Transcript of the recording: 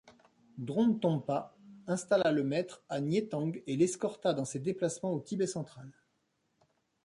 Dromtönpa installa le maître à Nyetang et l’escorta dans ses déplacements au Tibet central.